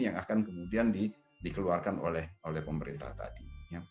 yang akan kemudian dikeluarkan oleh pemerintah tadi